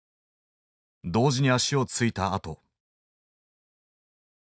同時に足を着いたあと。